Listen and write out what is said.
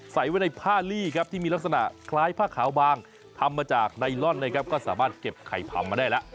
ใส่ไว้ในผ้าลี่ครับที่มีลักษณะคล้ายผ้าขาวบางทำมาจากไนลอนนะครับก็สามารถเก็บไข่ผำมาได้แล้ว